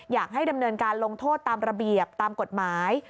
อยากให้ดำเนินการลงโทษตามระเบียบตามกฎหมาย